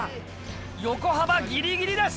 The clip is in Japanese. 横幅ギリギリです！